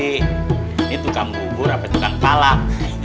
ini tukang bubur apa tukang palak